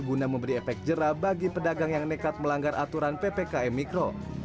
guna memberi efek jerah bagi pedagang yang nekat melanggar aturan ppkm mikro